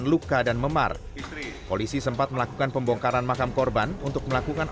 luka dan memar polisi sempat melakukan pembongkaran makam korban untuk melakukan